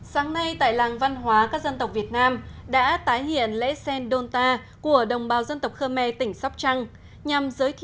sáng nay tại làng văn hóa các dân tộc việt nam đã tái hiện lễ sèn đôn ta của đồng bào dân tộc khơ me tỉnh sóc trăng